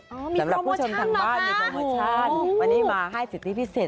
มีโครโมชั่นเหรอคะโอ้มีโครโมชั่นวันนี้มาให้สิทธิพิเศษ